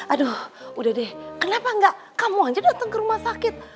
aduh udah deh kenapa enggak kamu aja datang ke rumah sakit